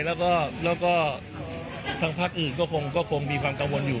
แล้วก็ที่ทางพลักษณ์อื่นคงมีความกังวลอยู่